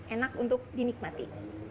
enak untuk dinikmati